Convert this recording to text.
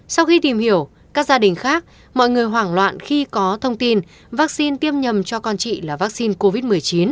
sau khi tìm hiểu các gia đình khác mọi người hoảng loạn khi có thông tin vaccine tiêm nhầm cho con chị là vaccine covid một mươi chín